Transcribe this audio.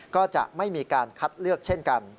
ก็จะไม่มีการคัดเลือกเช่นกัน